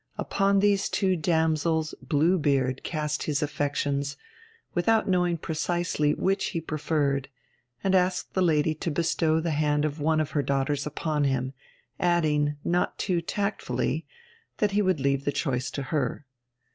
Upon these two damsels Blue Beard cast his affections, without knowing precisely which he preferred; and asked the lady to bestow the hand of one of her daughters upon him, adding, not too tactfully, that he would leave the choice to her.